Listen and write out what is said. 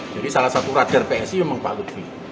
jadi salah satu radar psi memang pak lutfi